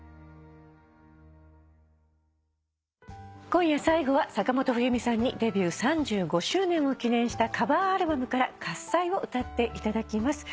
今夜最後は坂本冬美さんにデビュー３５周年を記念したカバーアルバムから『喝采』を歌っていただきます。